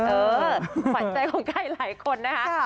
ขวัญใจของใครหลายคนนะคะ